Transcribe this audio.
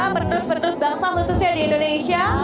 pendus pendus bangsa khususnya di indonesia